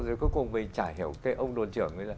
rồi cuối cùng mình chả hiểu cái ông đồn trưởng